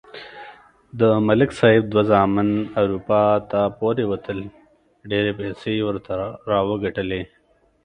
د ملک صاحب دوه زامن اروپا ته پورې وتل. ډېرې پیسې یې ورته راوگټلې.